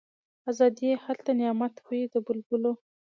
آزادي هلته نعمت وي د بلبلو